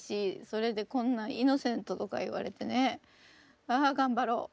それでこんなイノセントとか言われてねああ頑張ろう。